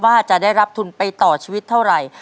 ว่าจะได้รับทุนไปต่อชีวิตเท่าไหร่